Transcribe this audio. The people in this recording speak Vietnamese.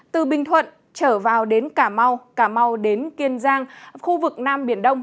từ bình thuận trở vào đến cà mau cà mau đến kiên giang khu vực nam biển đông